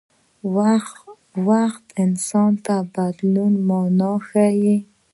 وخت انسان ته د بدلون مانا ښيي.